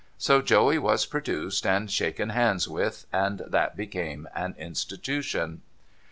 So Joey was produced and shaken hands with, and that became an Institution.